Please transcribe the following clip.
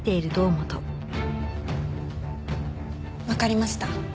わかりました。